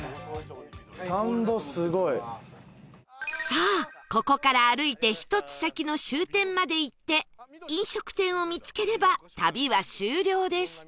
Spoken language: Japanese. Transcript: さあここから歩いて１つ先の終点まで行って飲食店を見つければ旅は終了です